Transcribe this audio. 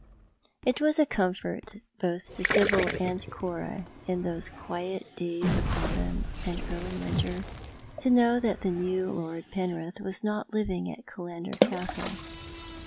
It was a comfort both to Sibyl and Cora, in those quiet days of autumn and early winter, to know that the new Lord Penrith was not living at Killander Castle.